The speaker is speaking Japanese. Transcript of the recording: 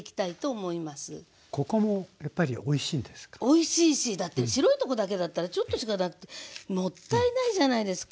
おいしいしだって白いとこだけだったらちょっとしかだってもったいないじゃないですか。